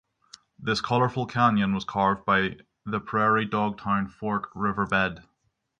This colorful canyon was carved by the Prairie Dog Town Fork Red River.